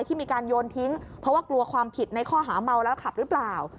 ที่มีการโยนทิ้งเพราะว่ากลัวความผิดในข้อหาเมาแล้วขับหรือเปล่า